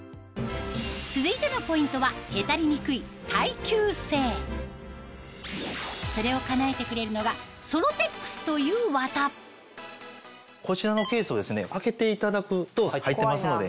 続いてのポイントはそれをかなえてくれるのがというわたこちらのケースをですね開けていただくと入ってますので。